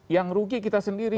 yang rugi kita sendiri